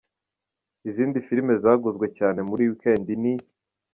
Izindi filime zaguzwe cyane muri weekend ni:.